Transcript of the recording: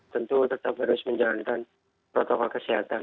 tentu tetap harus menjalankan protokol kesehatan